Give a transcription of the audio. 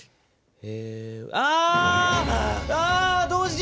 え？